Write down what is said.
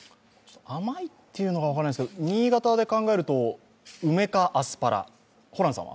甘いというのが分からないんですけど、新潟で考えると梅かアスパラ、ホランさんは？